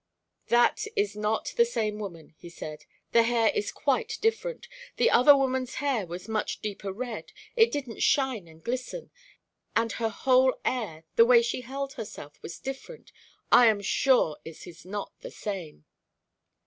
"That is not the same woman," he said. "The hair is quite different! That other woman's hair was a much deeper red it didn't shine and glisten. And her whole air, the way she held herself was different. I am sure it is not the same."